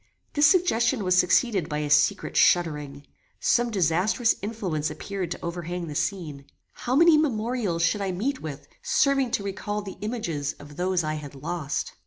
This suggestion was succeeded by a secret shuddering. Some disastrous influence appeared to overhang the scene. How many memorials should I meet with serving to recall the images of those I had lost!